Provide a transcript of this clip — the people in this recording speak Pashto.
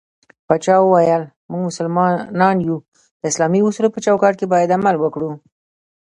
پاچا وويل: موږ مسلمانان يو د اسلامي اصولو په چوکات کې بايد عمل وکړو.